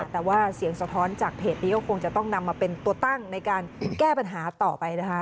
แต่ว่าเสียงสะท้อนจากเพจนี้ก็คงจะต้องนำมาเป็นตัวตั้งในการแก้ปัญหาต่อไปนะคะ